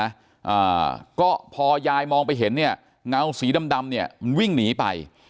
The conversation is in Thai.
อ่าก็พอยายมองไปเห็นเนี่ยเงาสีดำดำเนี้ยมันวิ่งหนีไป